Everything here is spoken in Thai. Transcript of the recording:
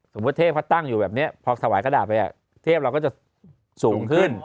สมมุติว่าเทพพัดตั้งอยู่แบบเนี้ยพอถวายกระดาษไปอ่ะเทพเราก็จะสูงขึ้น